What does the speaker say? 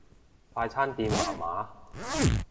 快餐店麻麻